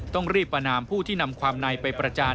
ต้องรีบประนามผู้ที่นำความในไปประจาน